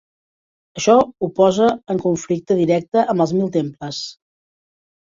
Això ho posa en conflicte directe amb els Mil Temples.